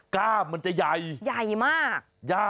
กล้ามมันจะใหญ่ใหญ่มาก